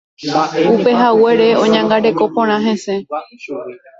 Upehaguére oñangareko porã hese.